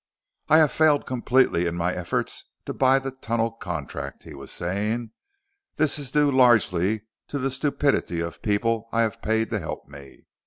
"I have failed completely in my efforts to buy the tunnel contract," he was saying. "This is due largely to the stupidity of people I have paid to help me.